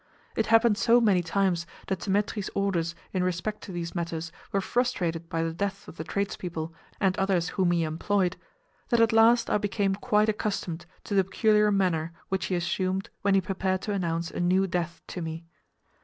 It happened so many times that Dthemetri's orders in respect to these matters were frustrated by the deaths of the tradespeople and others whom he employed, that at last I became quite accustomed to the peculiar manner which he assumed when he prepared to announce a new death to me.